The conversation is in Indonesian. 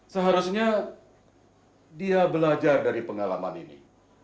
seharusnya dia belajar dari pengalaman ini